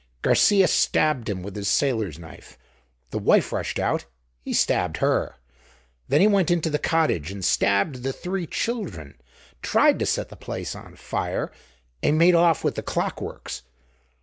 Garcia stabbed him with his sailor's knife. The wife rushed out; he stabbed her. Then he went into the cottage and stabbed the three children, tried to set the place on fire, and made off with the clockworks.